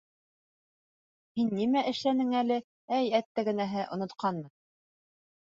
— Һин нимә эшләнең әле, әй әттәгенәһе, онотҡанмын?